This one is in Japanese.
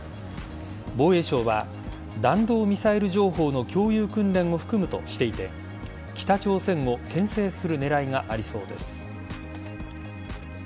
防衛省は、弾道ミサイル情報の共有訓練を含むとしていて北朝鮮をけん制する狙いがありそうです。